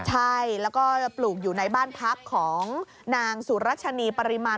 ใช่แล้วก็จะปลูกอยู่ในบ้านพักของนางสุรัชนีปริมาณ